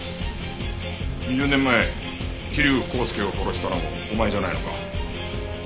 ２０年前桐生康介を殺したのもお前じゃないのか？